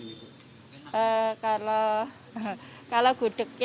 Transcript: kalau kalau gudeg itu enggak terlalu manis hai kalau kerece ya gimana ya kita pakai